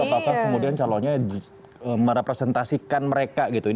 apakah kemudian calonnya merepresentasikan mereka gitu